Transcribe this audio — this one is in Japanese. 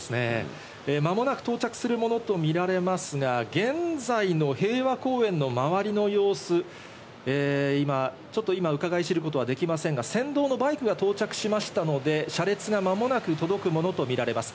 間もなく到着するものと見られますが、現在の平和公園の周りの様子、ちょっと今、うかがい知ることはできませんが、先導のバイクが到着しましたので、車列がまもなく届くものとみられます。